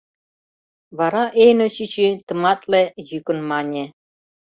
Вара Эйно чӱчӱ тыматле йӱкын мане: